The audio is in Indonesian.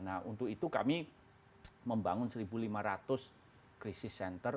nah untuk itu kami membangun satu lima ratus crisis center